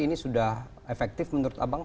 ini sudah efektif menurut abang